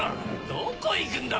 どこ行くんだ！